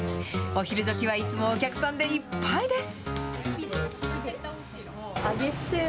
お昼どきはいつもお客さんでいっぱいです。